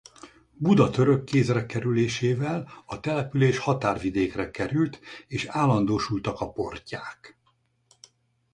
Buda török kézre kerülésével a település határvidékre került és állandósultak a portyák.